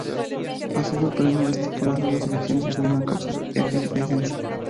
Pasado el periodo estipulado las elecciones volvieron a causar efervescencia.